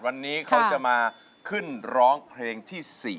วันนี้เขาจะมาขึ้นร้องเพลงที่๔